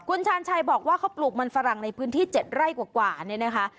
คุณชาญชัยบอกว่าเขาปลูกมันฝรั่งในพื้นที่๗ไร่กว่าเนี่ยนะคะ